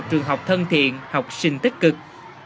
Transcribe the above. trường học thân thiện học sinh tích cực